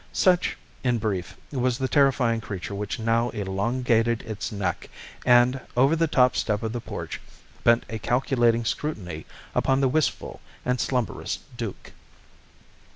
Such, in brief, was the terrifying creature which now elongated its neck, and, over the top step of the porch, bent a calculating scrutiny upon the wistful and slumberous Duke.